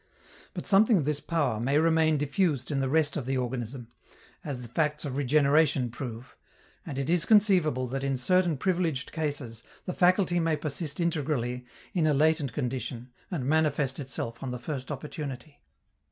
But something of this power may remain diffused in the rest of the organism, as the facts of regeneration prove, and it is conceivable that in certain privileged cases the faculty may persist integrally in a latent condition and manifest itself on the first opportunity.